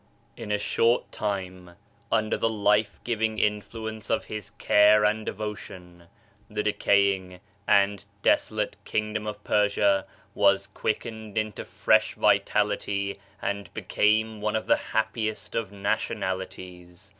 In a short time, under the life giving in fluence of his care and devotion, the decaying and desolate kingdom of Persia was quickened into fresh vitality and became one of the happiest of nationalities.